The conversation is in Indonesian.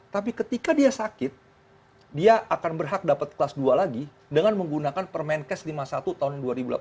tapi ketika dia sakit dia akan berhak dapat kelas dua lagi dengan menggunakan permenkes lima puluh satu tahun dua ribu delapan belas